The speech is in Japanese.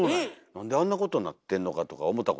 なんであんなことになってんのかとか思たことない？